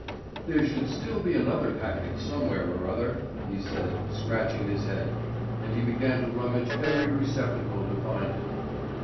"There should still be another packet somewhere or other," he said, scratching his head; and he began to rummage every receptacle to find it.